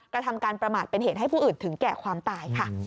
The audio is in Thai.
กระทำการประมาทเป็นเหตุให้ผู้อื่นถึงแก่ความตายค่ะ